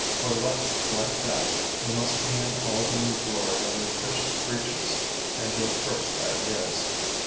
For luck like that, you must be in all the new glory of your first breeches and your first ideas.